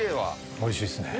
おいしいっすね。